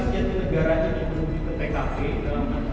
jadi orang bisa masuk